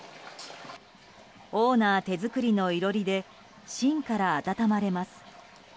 オーナー手作りの囲炉裏で芯から温まれます。